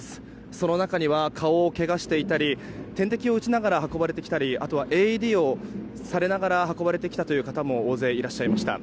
その中には、顔をけがしていたり点滴を打ちながら運ばれてきたりあとはＡＥＤをされながら運び込まれた方も大勢いらっしゃいました。